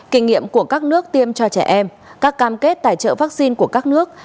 kinh nghiệm của các nước tiêm cho trẻ em các cam kết tài trợ vaccine của các nước